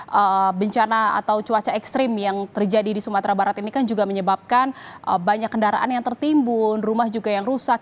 jadi bencana atau cuaca ekstrim yang terjadi di sumatera barat ini kan juga menyebabkan banyak kendaraan yang tertimbun rumah juga yang rusak